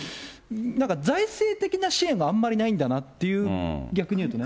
なんか財政的な支援があまりないんだなっていう、逆に言うとね。